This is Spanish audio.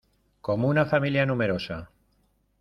como una familia numerosa.